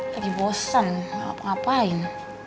lagi bosen ngapain